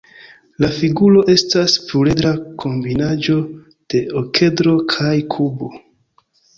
La figuro estas pluredra kombinaĵo de okedro kaj kubo.